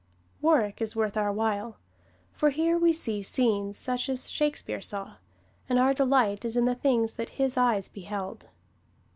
Warwick is worth our while. For here we see scenes such as Shakespeare saw, and our delight is in the things that his eyes beheld.